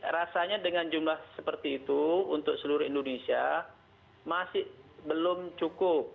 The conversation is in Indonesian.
rasanya dengan jumlah seperti itu untuk seluruh indonesia masih belum cukup